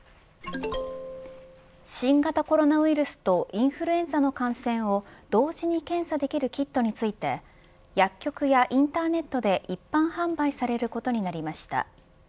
新型コロナウイルスとインフルエンザの感染を同時に検査できるキットについて薬局やインターネットで一般販売されることになりました。